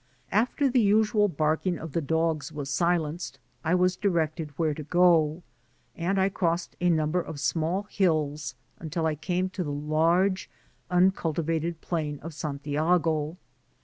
After the usual barking of the dogs was silenced, I was directed where to go, and I crossed a number of small hills, until I came to the large uncul* tivated plain of Santiago.